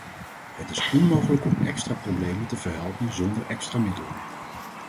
Het is onmogelijk om extra problemen te verhelpen zonder extra middelen.